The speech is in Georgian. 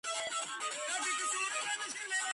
მცენარეთა ერთ-ერთი სასიცოცხლო ფორმა.